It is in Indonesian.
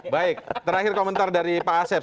baik terakhir komentar dari pak asep